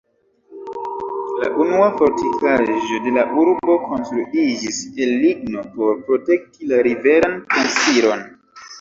La unua fortikaĵo de la urbo konstruiĝis el ligno, por protekti la riveran transiron.